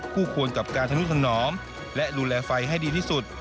ควรกับการทะนุถนอมและดูแลไฟให้ดีที่สุด